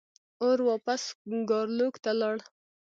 اور واپس ګارلوک ته لاړ.